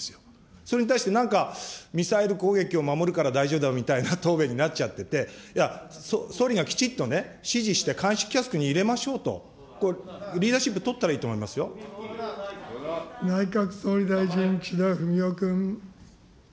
それに対して、なんかミサイル攻撃を守るから大丈夫だみたいな答弁になっちゃってて、いや、総理がきちっとね、指示して乾式キャスクに入れましょうと、リーダーシップ取ったら内閣総理大臣、岸田文雄君。